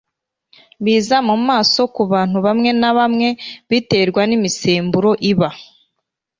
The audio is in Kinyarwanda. biza mu maso ku bantu bamwe na bamwe. biterwa n'imisemburo iba